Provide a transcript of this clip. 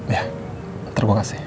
ya ntar gua kasih